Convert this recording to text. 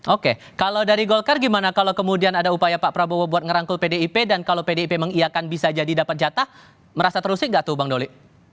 oke kalau dari golkar gimana kalau kemudian ada upaya pak prabowo buat ngerangkul pdip dan kalau pdip mengiakan bisa jadi dapat jatah merasa terusik gak tuh bang doli